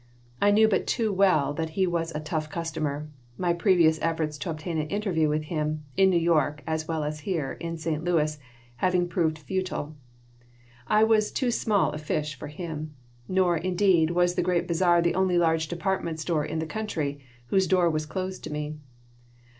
I knew but too well that he was a "tough customer," my previous efforts to obtain an interview with him in New York as well as here, in St. Louis having proven futile. I was too small a fish for him. Nor, indeed, was the Great Bazar the only large department store in the country whose door was closed to me.